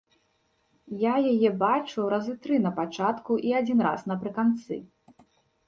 Я яе бачыў разы тры на пачатку і адзін раз напрыканцы.